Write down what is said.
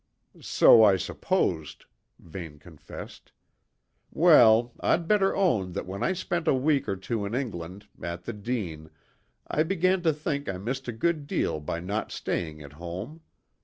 "So I supposed," Vane confessed. "Well, I'd better own that when I spent a week or two in England at the Dene I began to think I missed a good deal by not staying at home.